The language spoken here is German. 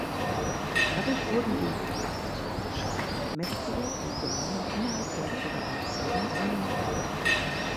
Dadurch wurden die Kiptschak mächtiger und gewannen innerhalb der Föderation an Macht.